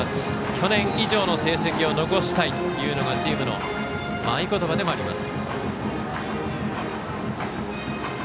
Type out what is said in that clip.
去年以上の成績を残したいというのがチームの合言葉でもあります。